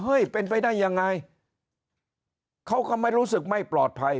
เป็นไปได้ยังไงเขาก็ไม่รู้สึกไม่ปลอดภัย